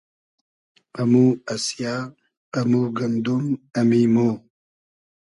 امو اسیۂ ، امو گئندوم ، امی مۉ